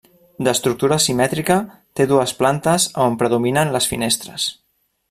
D'estructura simètrica, té dues plantes a on predominen les finestres.